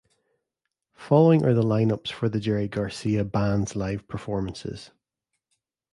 Following are the lineups for the Jerry Garcia Band's live performances.